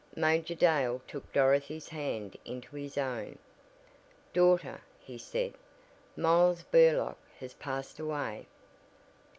Major Dale took Dorothy's hand into his own. "Daughter," he said, "Miles Burlock has passed away."